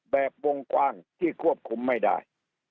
วงกว้างที่ควบคุมไม่ได้